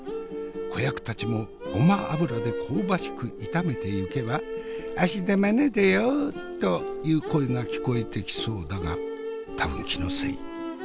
子役たちをごま油で香ばしく炒めてゆけば「芦田愛菜だよ」という声が聞こえてきそうだが多分気のせい。